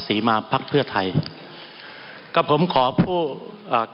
มันมีมาต่อเนื่องมีเหตุการณ์ที่ไม่เคยเกิดขึ้น